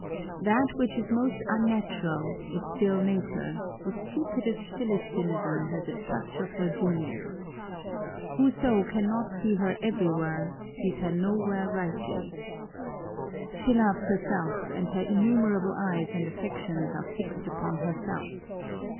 That which is most unnatural is still Nature ; the stupidest philistinism has a touch of her genius. Whoso cannot see her everywhere, sees her no where nightly. She loves herself, and her innumerable eyes and affections are fixed upon herself.